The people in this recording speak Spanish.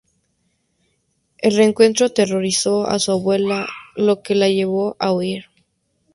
El encuentro aterrorizó a su abuela, lo que la llevó a huir.